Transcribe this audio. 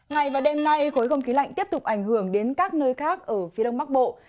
ngày và đêm nay khối không khí lạnh tiếp tục ảnh hưởng đến các nơi khác ở phía đông bắc bộ